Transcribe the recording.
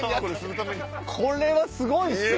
これはすごいっすよ！